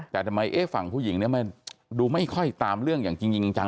แต่ทำไมเอ๊ะฝั่งผู้หญิงเนี่ยดูไม่ค่อยตามเรื่องอย่างจริงจัง